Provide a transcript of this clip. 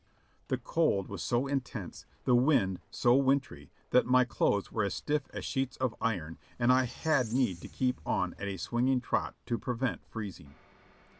The cold was so intense, the wind so wintry that my clothes were as stiff as sheets of iron and I had need to keep on at a swinging trot to prevent freezing".